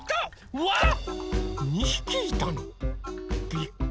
うわっ！